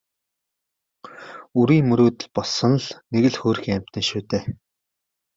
Үрийн мөрөөдөл болсон л нэг хөөрхий амьтан шүү дээ.